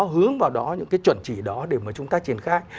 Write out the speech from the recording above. hướng vào đó những cái chuẩn chỉ đó để mà chúng ta triển khai